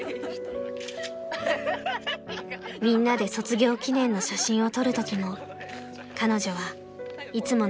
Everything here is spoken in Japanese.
［みんなで卒業記念の写真を撮るときも彼女はいつもの笑顔のまま］